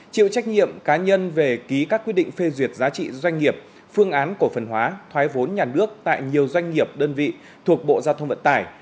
chịu trách nhiệm cá nhân về ký các quyết định phê duyệt giá trị doanh nghiệp phương án cổ phần hóa thoái vốn nhà nước tại nhiều doanh nghiệp đơn vị thuộc bộ giao thông vận tải